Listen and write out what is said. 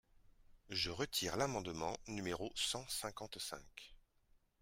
Je retire l’amendement numéro cent cinquante-cinq.